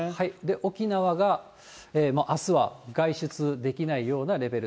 沖縄が、あすは外出できないようなレベル。